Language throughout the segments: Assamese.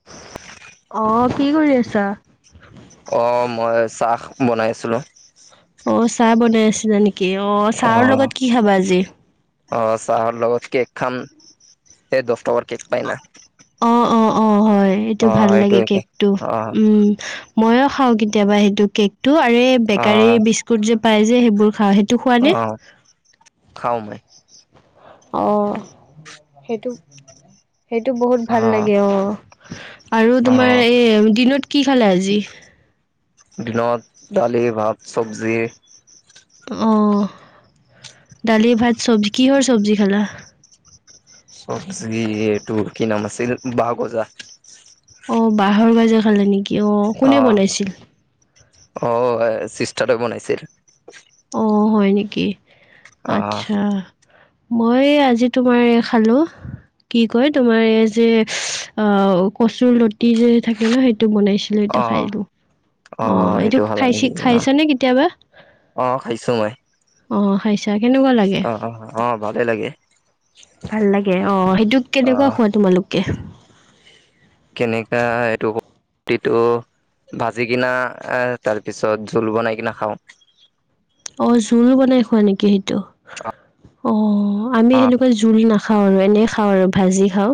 [unintelligible] অ কি কৰি আছা? অ মই চাহ বনাইছিলোঁ অ চাহ বনাই আছিলা নেকি অ চাহৰ অ', লগত কি খাবা আজি অ চাহৰ লগত কেক খাম এই দহ টকাৰ কেক পাই না অ অ অ হয় এইটো অ', ভাল লাগে এইটোৱে কেক। কেকটো অ', উম মইয়ো খাওঁ কেতিয়াবা সেইটো কেক টো আৰে বেকাৰী অ', বিস্কুট যে পাই যে সেইবোৰ খাওঁ সেই অ খাওঁ মই অ সেইটো সেইটো বহুত ভাল লাগে অ আৰু তোমাৰ অ', এ দিনত কি খালে আজি দিনত দালি, ভাত, চব্জি অ দালি, ভাত, চবজি কিহৰ চব্জি খালা চবজি এইটো কি নাম আছিল বাঁহৰ গজা অ বাঁহৰ গাজে খালে নেকি অ কোনে বনাইছিল? অ চিষ্টাৰ বনাইছিল অ হয় নেকি অ', আচ্ছা মই আজি তোমাৰ এই খালো কি কয় তোমাৰ এই যে অ কচুৰ লতি যে থাকে ন সেইটো বনাইছ ছিলো সেইটো খাই অ', দিলোঁ অ এইটো খালা নেকি? খাইছি অ', খাইছানে কেতিয়াবা অ খাইছো মই। অ খাইছা কেনেকুৱা লাগে। অ', অ', অ ভালে লাগে। ভাল লাগে অ সেইটোক কেনেকুৱা অ', খোৱা তোমালোকে কেনেকা এইটোতো ভাজি কিনা এ তাৰ পিছত জোল বনাই কিনা খাওঁ অ জোলো বনাই খোৱা নেকি সেইটো অ আমি অ', সেনেকুৱা জোল নাখ খাওঁ আৰু এনেই খাওঁ আৰু ভাজি খাওঁ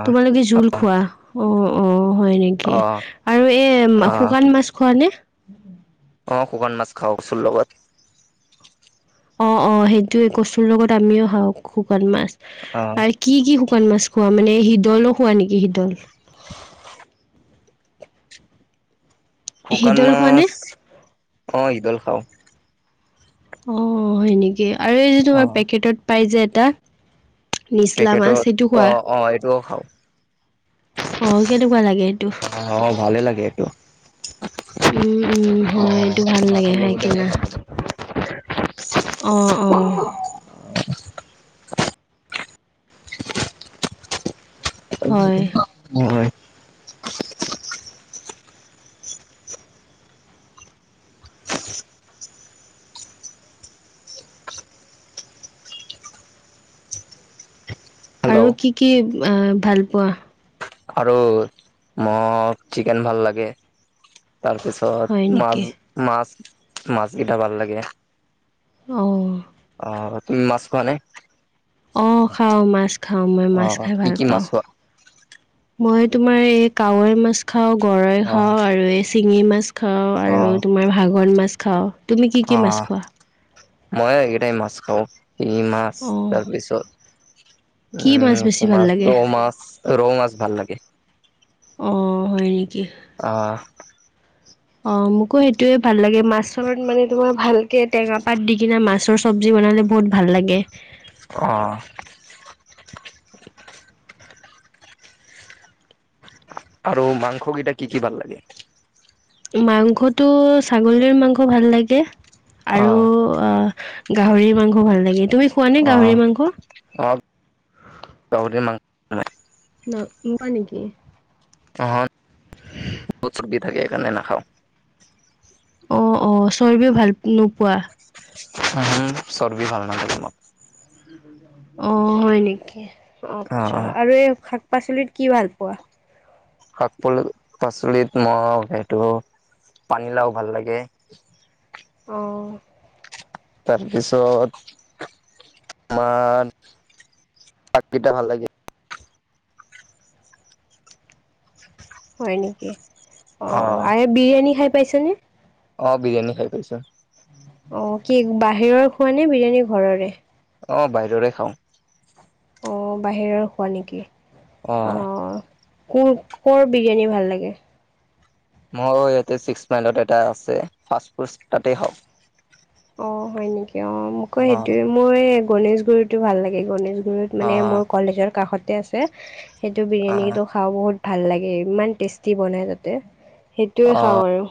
অ', তোমালোকে জোল খোৱা অ অ হয় নেকি? অ', আৰু এ অ', শুকান মাছ খোৱা নে অ শুকান মাছ খাও কচুৰ লগত অ অ সেইটোয়ে কচুৰ লগত আমিও খাওঁ শুকান মাছ অ', আৰু কি কি শুকান মাছ খোৱা মানে শিদলো খোৱা নেকি শিদল [unintelligible] শুকান শিদল খোৱানে? মাছ অ শিদল খাওঁ অ সেনেকে আৰু এই যে তোমাৰ অ', পেকেটত পাই যে এটা পেকেটত নিচলামাছ সেইটো খোৱা অ', অ', এইটোও খাওঁ অহ কেনেকুৱা লাগে সেইটো অ', ভালে লাগে এইটো উম উম হয় এইটো ভাল লাগে খাই কিনা। অ অ হয়। হয় হেল্ল' আৰু কি কি ভাল আ পোৱা আৰু ম চিকেন ভাল লাগে হয় তাৰপিছত নেকি? মাছ মাছ মাছকেইটা ভাল লাগে অঁ অ তুমি মাছ খোৱা নে অ খাওঁ মাছ খাওঁ মই মাছ অ', খাই কি ভাল কি পাওঁ মাছ খোৱা? মই তোমাৰ এই কাৱৈ মাছ খাও গৰৈ খাও অ', আৰু এই চিঙি মাছ খাওঁ আৰু অ', তোমাৰ ভাগন মাছ খাওঁ তুমি কি কি অ মাছ খোৱা? মইও এইকেইটাই মাছ খাও শিঙি মাছ অ', তাৰপিছত কি মাছ উম বেছি ভাল তোমাৰ লাগে? ৰৌ মাছ ৰৌ মাছ ভাল লাগে অঁ হয় নিকি অ অ মোকো সেইটোয়ে ভাল লাগে মাছ মানে তোমাৰ ভালকে টেঙা পাত দি কিনে মাছৰ চ চব্জি বনালে বহুত ভাল লাগে অ আৰু মাংস গিটা কি কি ভাল লাগে মাংসটো ছাগলীৰ মাংস ভাল লাগে অ আৰু অ গাহৰি মাংস ভাল লাগে তুমি খোৱানে অ গাহৰি মাংস? অ গাহৰি মাংস নহ নোখোৱা নিকি নহয় বহুত চৰ্বি থাকে সেইকাৰণে নাখাও অ অ চৰ্বি ভাল নোপোৱা উহু চৰ্বি ভাল নালাগে মোক অ হয় নিকি অ আচ্ছা অ আৰু এই শাক পাচলিত কি ভাল পোৱা শাক পলি পাচলিত মই সেইটো পানীলাও ভাল লাগে অঁ তাৰপিছত মান আগপিটা ভাল লাগে হয় নিকি অ আৰ বিৰিয়ানী খাই পাইচা নে অঁ বিৰিয়ানী খাই পাইছোঁ অ কি বাহিৰৰ খোৱা নে বিৰিয়ানী ঘৰৰে অ বাইৰৰে খাওঁ অঁ বাহিৰৰ খোৱা নিকি অঁ কো কৰ বিৰিয়ানী ভাল লাগে মই ইয়াতে চিক্স মাইলত এটা আছে ফাৰ্চ ফোচ্ তাতে খাওঁ অ হয় নিকি অ মকৌ সেইটোৱে অ', মই গণেশ গুৰিতো ভাল লাগে গণেশ গুৰিত মানে অ', মোৰ কলেজৰ কাষতে আছে সেইটো অ', বিৰিয়ানীটো খাওঁ বহুত ভাল লাগে ইমান টেষ্টি বনাই তাতে সেইটোৱে খাওঁ অ', আৰু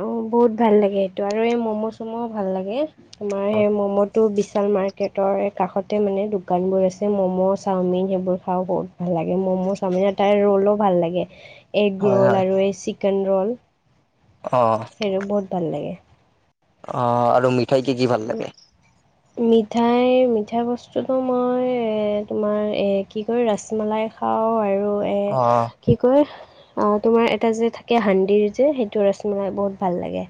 অঁ বহুত ভাল লাগে সেইটো আৰু এই ম'ম' চম'ও ভাল লাগে তোমাৰ সেই মম'টো বিশাল মাৰ্কেট তৰ কাষতে মানে দোকান বোৰ আছে ম'ম' চাওমিন সেইবোৰ খাও বহুত ভাল লাগে ম'ম' চাওমিনত তাৰ ৰোলো ভাল লাগে এগ হয়, ৰোল হয়, আৰু এই চিকেন ৰোল অঁ সেইঅ বহুত ভাল লাগে অ আৰু মিঠাই কি কি ভাল লাগে মিঠাই মিঠাই বস্তুটো মই এ তোমাৰ এ কি কয় ৰাছমলাই খাওঁ আৰু এ অ', কি অই তোমাৰ এটা যে থাকে হাণ্ডিৰ যে সেইটো ৰচসমলাই বহুত ভাল লাগে।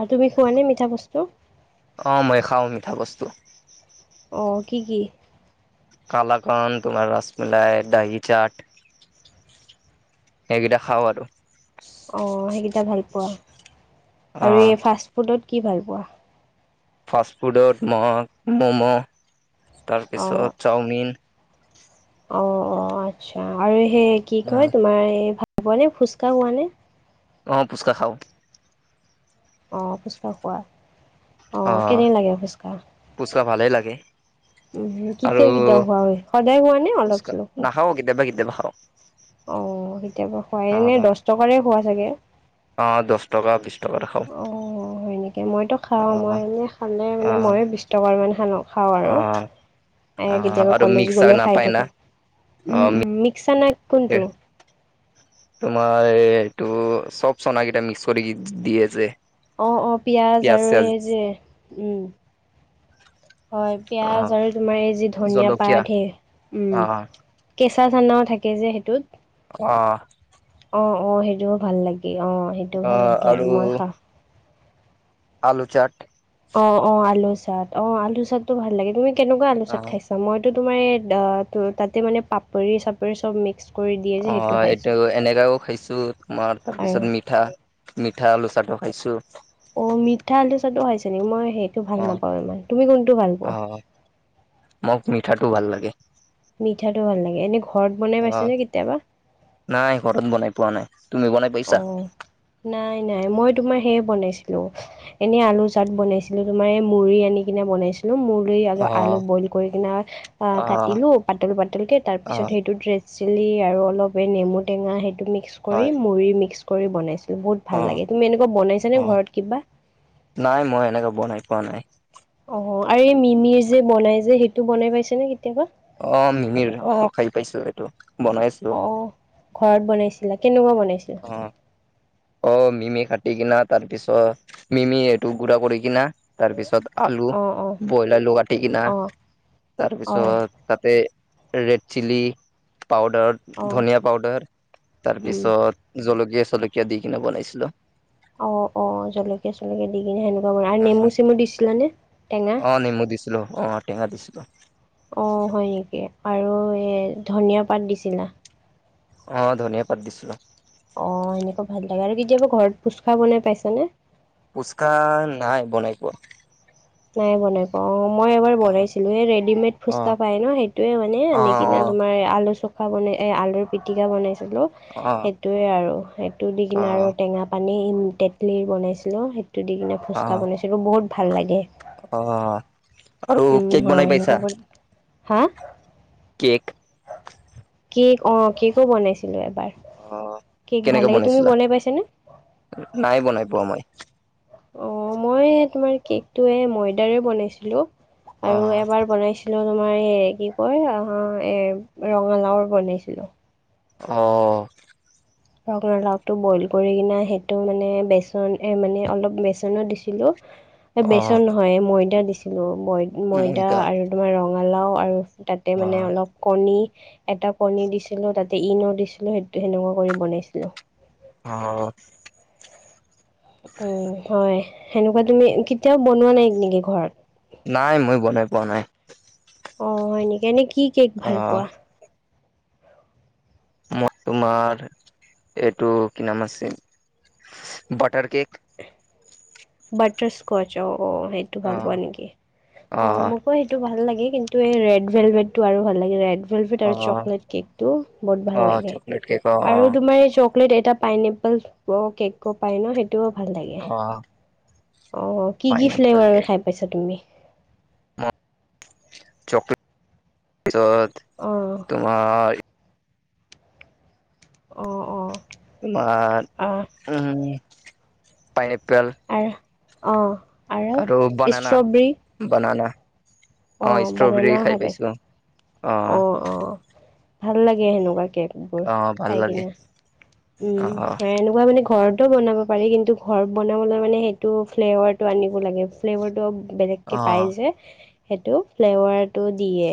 আৰু তুমি খোৱানে মিঠা বস্তু? অ মই খাওঁ মিঠা বস্তু। অঁ কি কি? কালাকান তোমাৰ ৰছমলাই দাহি চাট। সেইকেইটা খাওঁ আৰু। অঁ সেইকেইটা ভাল পোৱা আৰু অ', এই ফাষ্ট ফুডত কি ভাল পোৱা? ফাষ্ট ফুডত মই ম'ম' তাৰপিছত চাওমিন। অঁ অঁ আচ্ছা আৰু সেই কি কয় তোমাৰ এই ভাল পোৱানে ফুছকা খোৱা নে? অঁ ফুচকা খাওঁ। অঁ ফুচকা খোৱা অঁ কেনে লাগে ফুছকা? পুচকা ভালেই লাগে। উ আৰু কেতিয়া কেতিয়া খোৱা হয় সদায় খোৱা? নে অলপ চলপ খোৱা? নাখাওঁ কেতিয়াবা কেতিয়াবা খাওঁ। অ কেতিয়াবা খোৱাই এনে অ', দহ টকাৰে খোৱা চাগে? অ দহ। টকা বিশছ টকা খাওঁ। অ হয় নেকি মইতো খাওঁ মই অ', এনে খালে মানে অ', মইয়ো বিশ টকাৰ মানহে লওঁ। খাওঁ আৰু অ', কেতিয়াবা আৰু কলেজ মিক্সাৰ গলে খাই নাপায় না থাকো। উম উম অ', মিক্সা চনা কোনটো? তোমাৰ এই এইটো চব চনাকিটা মিক্স কৰি দিয়ে যে। অ অ পিয়াজ আৰু এই যে উম। হয় পিঁয়াজ অ', আৰু তোমাৰ এই যি ধনিয়া জলকীয়া পাট হে উম। অ', কেঁচা চানাও থাকে যে সেইটোত। অ অ অ সেইটোও ভাল লাগে অ সেইটোও ভাল লাগে আৰু মই খাওঁ। আলু চপ। অ অ আলু চপ অ আলু চপ টো ভাল লাগে তুমি কেনেকুৱা আলু চপ অ', খাইছা? মইতো তোমাৰ ত তাতে মানে পাপৰি চাপৰি চব মিক্স কৰি দিয়ে যে অ সেইটো এইটো খাইছোঁ এনেকাও খাইছো তোমাৰ আৰু তাৰপিছত মিঠা। মিঠা আলু চপো খাইছো। অ মিঠা আলু চপো খাইছে নেকি মই সেইটো ভাল অ', নাপাও ইমান তুমি কোনটো ভাল পোৱা? অ', মোক মিঠাটো ভাল লাগে। মিঠাটো ভাল লাগে এনে ঘৰত বনাই অ', পাইছানে কেতিয়াবা? নাই ঘৰত বনাই পোৱা নাই তুমি বনাই অ পাইছা? নাই নাই মই তোমাৰ সেয়ে বনাইছিলো। এনেই আলু চপ বনাইছিলো তোমাৰ এই মুড়ি আনি কিনে বনাইছো। মুড়ি আৰু আলু অ', বইল কৰি পিনি অ কাটিলো পাতল পাতলকে তাৰ পিছত অ', সেইটো ড্ৰে চিলি আৰু অলপ নেমু টেঙা সেইটো মিক্স কৰি হয় মুড়ি মিক্স কৰি বনাইছোঁ। বহুত ভাল অ', লাগে তুমি এনেকুৱা বাইছানে অ', কিবা? নাই মই এনেকে বনাই পোৱা নাই। অ আৰু এই মিমিৰ যে বনাই যে সেইটো বনাই পাইছে নে কেতিয়াবা? অ মিমিৰ অ খাই পাইছো এইটো বনাইছোঁ। অ ঘৰত বনাইছিলা কেনেকুৱা বনাইছিলা? অ অ মিমি কাটি কিনা তাৰ পিছত মিমি এইটো গুৰা কৰি কিনা তাৰ পিছত আলু অ অ বইল আলু কাটি কিনা অ অ তাৰপিছত তাতে ৰেড চিলি পাউদাৰ অ ধুনিয়া পাউদাৰ উম তাৰপিছত জলকীয়া কিয়া দি কিনে বনাইছিলো। অ, অ জলকীয়া, চলকীয়া দি কিনে সেনেকুৱা বন আৰু নেমু, চেমু দিছিলানে টেঙা অকল নেমু দি ছিলো অ' টেঙা দিছিলো। অ, হয় নেকি আৰু এ ধুনিয়া পাত দিছিলা। অ, ধনিয়া পাত দিছিলো। অ, এনেকুৱা ভাল লাগে আৰু কেতিয়াবা ঘৰত ফুচকা বনাই পাইছা নে? ফুচকা নাই বনাই পোৱা। নাই বনাই। অ, মই এবাৰ অ বনাইছিলো। এই ৰেডিমেড অ ফুচকা পাই ন সেইটোৱে মানে অ অ আনি কিনে তোমাৰ আলু চ কা বনাই এই আলুৰ পিটিকা বনাইছিলো। অ সেইটোৱে আৰু সেইটো দি অ কিনে আৰু টেঙা পানী তেতলিৰ বনাইছিলো। সেইটো দি কিনে অ ফুচকা বনাইছিলো, বহুত ভাল লাগে। অ'। আৰু উম, কেক বনাই হয় পাইছা সেনেকুৱা ব হা। কেক। কেক অ, কেকো বনাইছিলো এবাৰ। অ কেক ভাল কেনেকে লাগে তুমি বনাইছিলা, বনাই পাইছানে নাই বনাই পোৱা মই। অ, মই তোমাৰ কেকটো এ ময়দাৰে বনাইছিলো, আৰু অ', এবাৰ বনাইছিলো। বনাইছিলো, তোমাৰ এই কি কয় ৰঙালাওৰ বনাইছিলো। অ'। ৰঙালাওটো বইল কৰি কিনে সেইটো মানে বেচন এ মানে অলপ বেচনত দিছিলো। অ'। বেচন নহয় ময়দা দিছিলো, মই ময়দা এতিয়া আৰু তোমাৰ ৰঙালাও আৰু তাতে মানে অ', অলপ কণী এটা কণী দিছিলো তাতে ইন দিছিলো সেইটো সেনেকুৱা কৰি বনাইছিলো। অ'। উম, হয় সেনেকুৱা তুমি কেতিয়াও বনোৱা নাই নেকি ঘৰত? নাই মই বনাই পোৱা নাই। অ, হয় নেকি এনেই কি কেক ভাল অ', পোৱা? মই তোমাৰ এইটো কি নাম আছে বাটাৰ কেক। বাটাৰ স্কচ অ, অ সেইটো ভাল পোৱা অ', নেকি অ' মোক অ, সেইটো ভাল লাগে কিন্তু এই ৰেড ভেলবেট টো আৰু ভাল লাগে ৰেড ভেলভেদ আৰু অ', চকলেট কেকটো বহুত ভাল অ', লাগে চকলেট কেক অ', আৰু অ', তোমাৰ এটা পাইনপল কেকো পায় ন সেইটোও ভাল লাগে। অ', অ' কি, কি পাইনএপল ফ্লেভাৰ কেক খাই পাইছা তুমি? চকলেট তাৰপিছত অ'। তোমাৰ। অ, অ। তোমাৰ অ, পাইনেপেল। আৰু অ'। আৰু বানানা, ষ্ট্ৰবেৰী বানানা, অ, ষ্ট্ৰবেৰী খাই পাইছো অ। অ, অ ভাল লাগে সেনেকুৱাকে। অ', ভাল খাই লাগে কিনে, উম অ'। সেনেকুৱা মানে ঘৰতো বনাব পাৰি কিন্তু ঘৰত বনাবলৈ মানে সেইটো ফ্লেভাৰটো আনিব লাগে। ফ্লেভাৰটো অ' বেলেগ। পাই অ', যে সেইটো ফ্লেভাৰটো দিয়ে।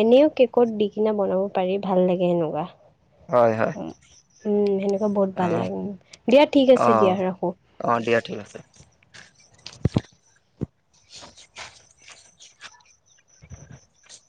এনেও কেকত দি কিনে বনাব পাৰি ভাল লাগে সেনেকুৱা। অ', উম, সেনেকুৱা বহুত ভাল অ', লাগে, দিয়া ঠিক আছে দিয়া ৰাখো। অ, দিয়া ঠিক আছে। [inaudible]